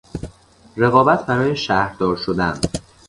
رقابت برای شهردار شدن